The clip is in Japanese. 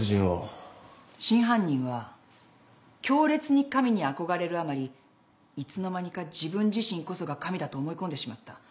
真犯人は強烈に神に憧れるあまりいつの間にか自分自身こそが神だと思い込んでしまった。